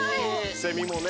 セミはね